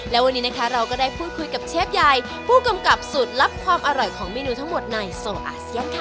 และวันนี้นะคะเราก็ได้พูดคุยกับเชฟใหญ่ผู้กำกับสูตรลับความอร่อยของเมนูทั้งหมดในโซอาเซียนค่ะ